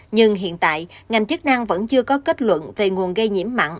nhưng hiện tại ngành chức năng vẫn chưa có kết luận về nguồn gây nhiễm mặn